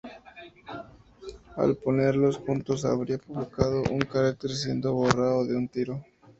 Al ponerlos juntos habría provocado un carácter siendo borrado de un tiro.